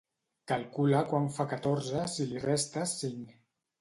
Calcula quant fa catorze si li restes cinc.